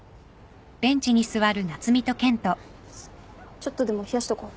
ちょっとでも冷やしとこう。